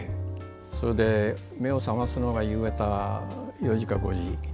それで目を覚ますのが夕方４時か５時。